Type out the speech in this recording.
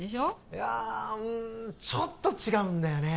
いやうんちょっと違うんだよね